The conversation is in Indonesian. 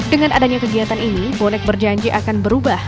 dengan adanya kegiatan ini bonek berjanji akan berubah